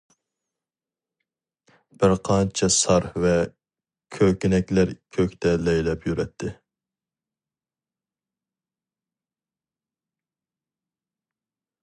بىرقانچە سار ۋە كۆكىنەكلەر كۆكتە لەيلەپ يۈرەتتى.